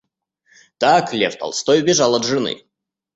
Так, Лев Толстой бежал от жены.